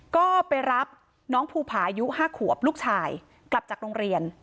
ก็ไปรับน้องภูผาอายุ๕ขวบลูกชายกลับจากโรงเรียน